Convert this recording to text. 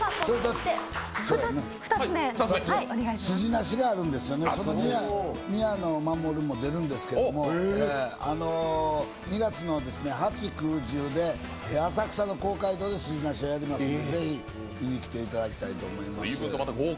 「スジナシ！」があるんですね、宮野真守も出るんですけど２月の８、９、１０で浅草公会堂でやりますのでぜひ見にきていただきたいと思います。